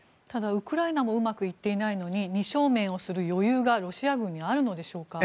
ウクライナもうまくいっていないのに２正面をする余裕がロシア軍にあるんでしょうか。